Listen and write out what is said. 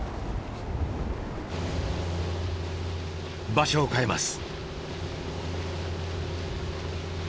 場所を変えます。